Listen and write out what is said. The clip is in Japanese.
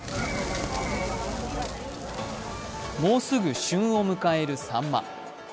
もうすぐ旬を迎えるさんま。